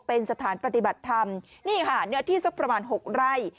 เป็นสถานปฏิบัติธรรมนี่ค่ะเนื้อที่สักประมาณ๖ไร่